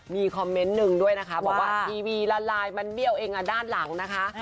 มีคอมเมนต์หนึ่งด้วยนะคะบอกว่าทีวีละลายมันเบี้ยวเองด้านหลังนะคะ